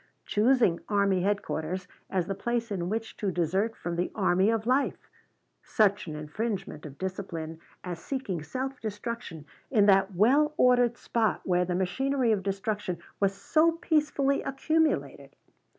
Choosing army headquarters as the place in which to desert from the army of life! Such an infringement of discipline as seeking self destruction in that well ordered spot where the machinery of destruction was so peacefully accumulated!